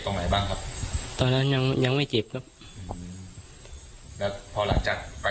ตรงไหนบ้างครับตอนนั้นยังยังไม่เจ็บครับแล้วพอหลังจากไป